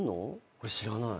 俺知らない。